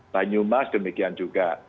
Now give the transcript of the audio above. tanjumas demikian juga